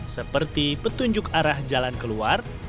seperti petunjuk arah jalan keluar